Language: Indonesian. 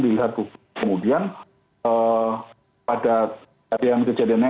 dilihat kemudian ada yang kejadiannya